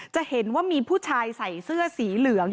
จะเห็นว่ามีผู้ชายใส่เสื้อสีเหลือง